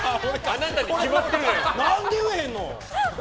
何で言わへんの！